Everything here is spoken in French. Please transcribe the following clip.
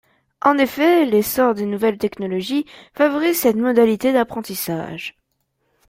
En effet, l’essor des nouvelles technologies favorise cette modalité d’apprentissage.